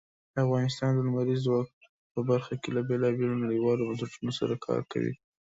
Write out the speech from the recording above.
افغانستان د لمریز ځواک په برخه کې له بېلابېلو نړیوالو بنسټونو سره کار کوي.